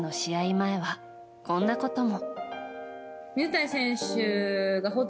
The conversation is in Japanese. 前はこんなことも。